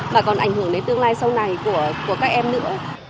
mà còn ảnh hưởng đến tương lai sau này của các em nữa